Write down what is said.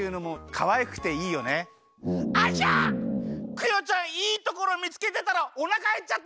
クヨちゃんいいところ見つけてたらおなかへっちゃった！